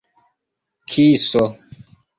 kiso